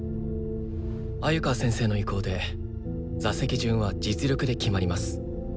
鮎川先生の意向で座席順は実力で決まります。